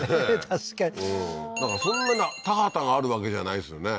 確かになんかそんなに田畑があるわけじゃないですよね